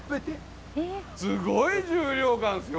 すごい重量感っすよ